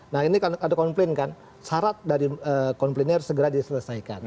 nah ini ada komplain kan syarat dari komplainnya harus segera diselesaikan